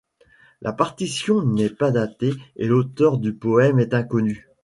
La partition n'est pas datée et l'auteur du poème est inconnu.